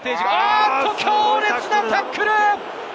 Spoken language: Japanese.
強烈なタックル！